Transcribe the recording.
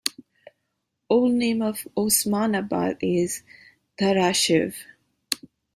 Old name of Osmanabad is Dharashiv.